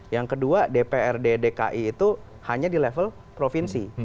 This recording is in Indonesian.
yang kedua dprd dki itu hanya di level provinsi